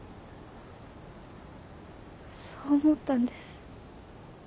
そう思ったんです。